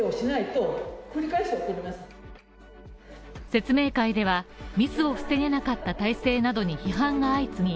説明会では、ミスを防げなかった体制などに批判が相次ぎ、